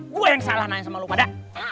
gue yang salah nanya sama lo pada